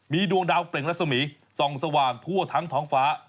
มีดวงดาวเปล่งรัศมีส่องสว่างทั่วทั้งท้องฟ้า